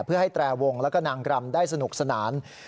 เพื่อให้แตรวงแล้วก็นางรำได้สนุกสนาน